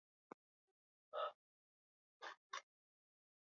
ambao huwa na makundi makubwa ya ngombe